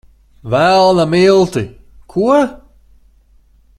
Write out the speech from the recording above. Velna milti! Ko?